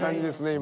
今。